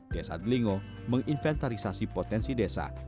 desa delingo menginventarisasi potensi desa